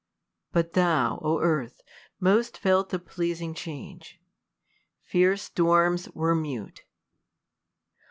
But thou, O Earth, most felt the pleasing change, Fierce storms were mute.